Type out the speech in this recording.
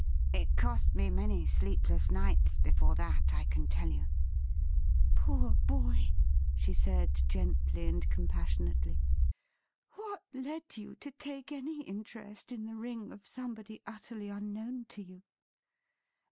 It cost me many sleepless nights before that, I can tell you.' ' Poor boy !' she said gently and compassionately. ' What led you to take any interest in the ring of somebody utterly unknown to you